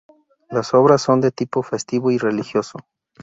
Las obras son de tipo festivo y religioso.